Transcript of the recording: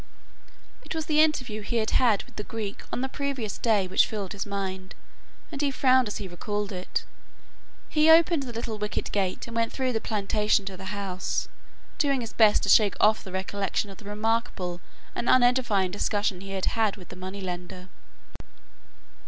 It was the interview he had had with the Greek on the previous day which filled his mind, and he frowned as he recalled it. He opened the little wicket gate and went through the plantation to the house, doing his best to shake off the recollection of the remarkable and unedifying discussion he had had with the moneylender.